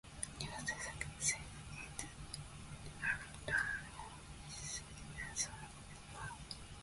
He was succeeded in the earldom by his eldest son Edward.